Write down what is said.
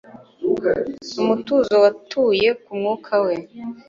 Umutuzo watuye ku mwuka we